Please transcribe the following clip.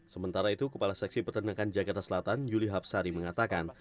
sementara itu kepala seksi peternakan jakarta selatan yuli hapsari mengatakan